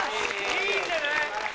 いいんじゃない？